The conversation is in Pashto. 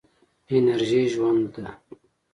انرژي ژوند ده.